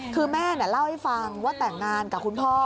คือแม่เล่าให้ฟังว่าแต่งงานกับคุณพ่อ